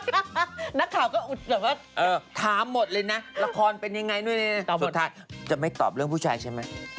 นักข่าวก็อุดแบบว่าถามหมดเลยนะละครเป็นยังไงด้วยนะตอนสุดท้ายจะไม่ตอบเรื่องผู้ชายใช่ไหม